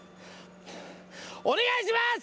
お願いします！